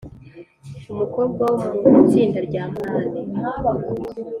Umukobwa wo mu itsinda rya munani